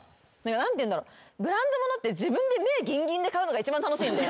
何ていうんだろブランドものって自分で目ギンギンで買うのが一番楽しいんで。